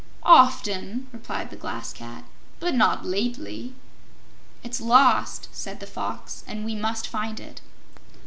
"Often," replied the Glass Cat, "but not lately." "It's lost," said the Fox, "and we must find it."